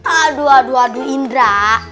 aduh aduh aduh indra